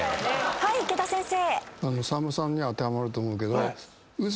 はい池田先生。